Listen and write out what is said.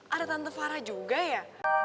ada tante fara juga ya